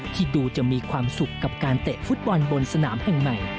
ที่ดูจะมีความสุขกับการเตะฟุตบอลบนสนามแห่งใหม่